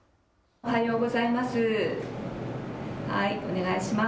おはようございます。